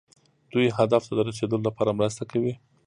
دوی هدف ته د رسیدو لپاره مرسته کوي.